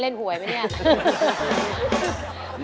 เล่นหวยไหมเนี่ย